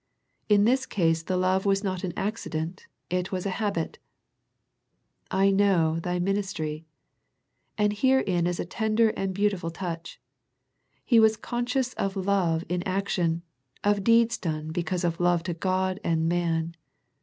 In this case the love was not an accident, it was a habit. " I know ... thy ministry," and herein is a tender and beautiful touch. He was con scious of love in action, of deeds done because of love to God and man.